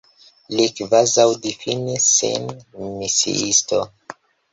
Li kvazaŭ difinis sin misiisto.